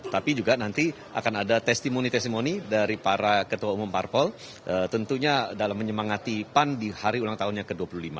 tapi juga nanti akan ada testimoni testimoni dari para ketua umum parpol tentunya dalam menyemangati pan di hari ulang tahunnya ke dua puluh lima